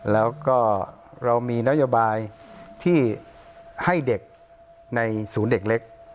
แล้วก็เรามีนโยบายที่ให้เด็กในศูนย์เด็กเล็ก